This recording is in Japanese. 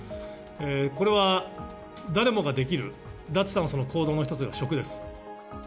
これは誰もができる、脱炭素の行動の一つが食です。